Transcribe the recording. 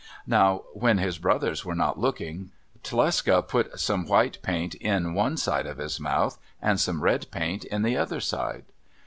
Now when his brothers were not looking, Tlecsa put some white paint in one side of his mouth, and some red paint in the other side.